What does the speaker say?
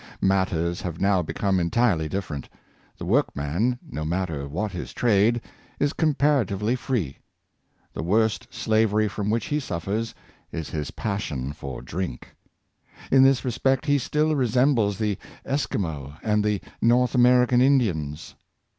Matters have now become entirely difterent. The workman, no matter what his trade, is compara tively free. The worst slavery from which he suffers is his passion for drink. In this respect he still resem bles the Esquimaux and the North American Indians.